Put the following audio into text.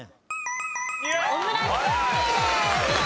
オムライスは２位です。